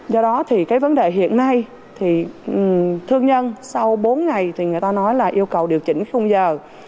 do đó thì cái vấn đề hiện nay thì thương nhân sau bốn ngày thì người ta nói là yêu cầu điều chỉnh khung giờ